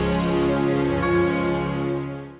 biar boy kesel sama gua